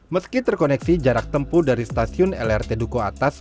meski terkoneksi jarak tempuh dari stasiun lrt duku atas